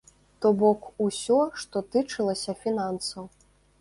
То бок усё, што тычылася фінансаў.